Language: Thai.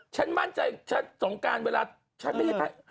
ฉันมั่นใจฉันสงการเวลาฉันไม่ได้